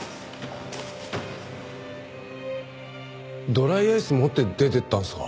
ドライアイスを持って出ていったんですか？